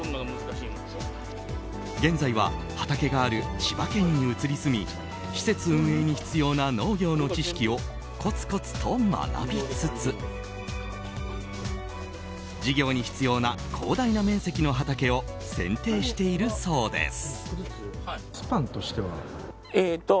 現在は畑がある千葉県に移り住み施設運営に必要な農業の知識をこつこつと学びつつ事業に必要な広大な面積の畑を選定しているそうです。